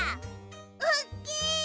おっきい！